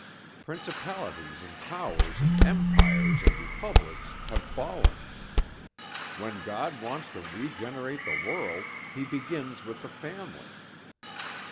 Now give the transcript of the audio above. Principalities and powers and empires and republics have fallen. When God wants to regenerate the world, He begins with the family.